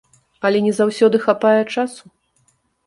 Але не заўсёды хапае часу.